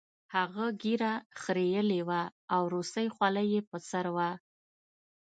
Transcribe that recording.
هغه ږیره خریلې وه او روسۍ خولۍ یې په سر وه